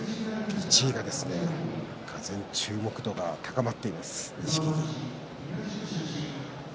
１位が、がぜん注目度が高まっています錦木。